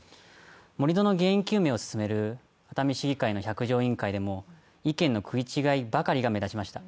盛り土の原因究明を進める熱海市議会の百条委員会でも違憲の食い違いばかりが目立ちました。